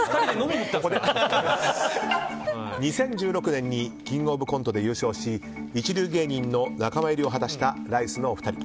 ２０１６年に「キングオブコント」で優勝し一流芸人の仲間入りを果たしたライスのお二人。